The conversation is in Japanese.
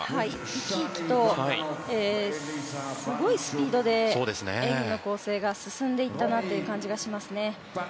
生き生きとすごいスピードで演技の構成が進んでいったなという感じがしますね。